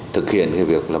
thực hiện việc vận động